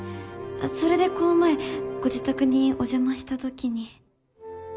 それでこの前ご自宅にお邪魔したときに。